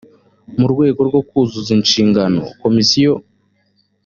mu rwego rwo kuzuza inshingano komisiyo